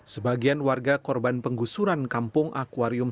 sebagian warga korban penggusuran kampung akwarium